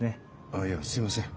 あっいやすいません。